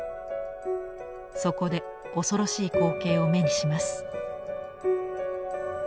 そこで恐ろしい光景を目にします。